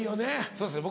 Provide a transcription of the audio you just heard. そうですね